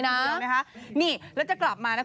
นะฮะนี่แล้วจะกลับมานะครุ่ง